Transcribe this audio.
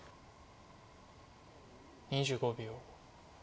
２５秒。